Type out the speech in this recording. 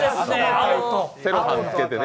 セロハンつけてね。